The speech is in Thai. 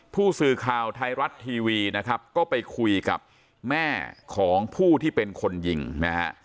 ผู้สื่อข่าวไทยรัฐทีวีนะครับก็ไปคุยกับแม่ของผู้ที่เป็นคนยิงนะฮะ